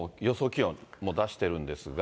気温も出してるんですが。